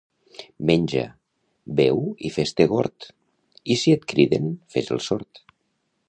Menja, beu i fes-te «gord», i si et criden, fes el sord.